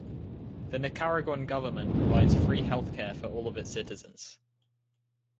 The Nicaraguan government provides free health care for all of its citizens.